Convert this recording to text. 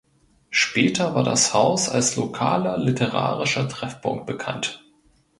Später war das Haus als lokaler literarischer Treffpunkt bekannt.